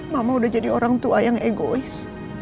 mama udah jadi orang tua yang egois